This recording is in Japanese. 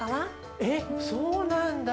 えっそうなんだ。